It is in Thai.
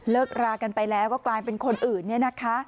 รากันไปแล้วก็กลายเป็นคนอื่นเนี่ยนะคะ